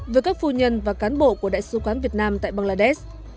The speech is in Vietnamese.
với các phu nhân và cán bộ của đại sứ quán việt nam tại bangladesh